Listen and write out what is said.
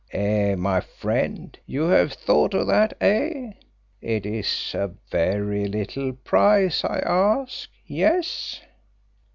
Eh, my friend, you have thought of that eh? It is a very little price I ask yes?"